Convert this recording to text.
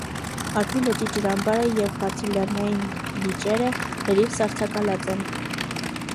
Արփի լճի ջրամբարը և բարձրլեռնային լճերը լրիվ սառցակալած են։